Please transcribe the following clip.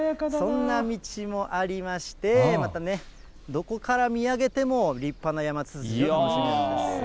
そんな道もありまして、またね、どこから見上げても立派なヤマツツジが見れるんです。